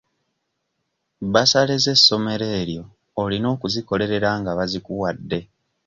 Bassale z'essomero eryo olina okuzikolerera nga bazikuwadde.